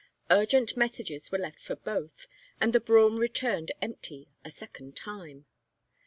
Urgent messages were left for both, and the brougham returned empty a second time.